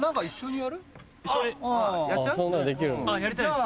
やりたいです。